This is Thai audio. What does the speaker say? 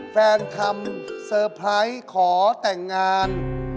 ทำเซอร์ไพรส์ขอแต่งงาน